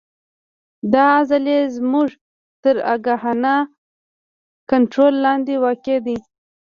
دا عضلې زموږ تر آګاهانه کنترول لاندې واقع دي.